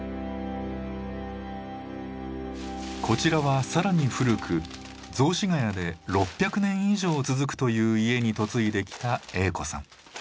こちらは更に古く雑司ヶ谷で６００年以上続くという家に嫁いできた栄子さん。